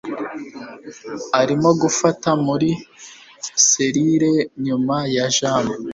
Arimo gufata muri selire nyuma ya jam